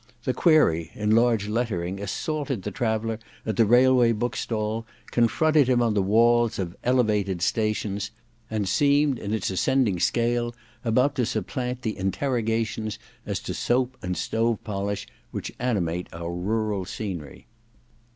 The query, in large lettering, assaulted the traveller at the railway bookstall, confronted him on the walls of < elevated ' stations, and seemed, in its ascending 24 THE DESCENT OF MAN iv scale, about to supplant the interrogations as to sapolio and stove polish which animate our rural scenery.